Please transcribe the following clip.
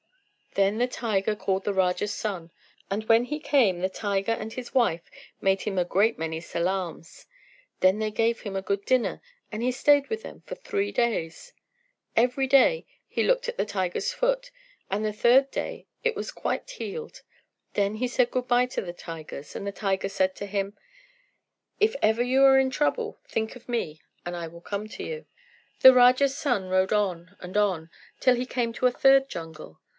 Then the tiger called the Raja's son, and when he came the tiger and his wife made him a great many salaams. Then they gave him a good dinner, and he stayed with them for three days. Every day he looked at the tiger's foot, and the third day it was quite healed. Then he said good bye to the tigers, and the tiger said to him, "If ever you are in trouble, think of me, and we will come to you." The Raja's son rode on and on till he came to a third jungle.